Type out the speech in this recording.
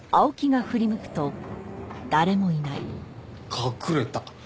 隠れた。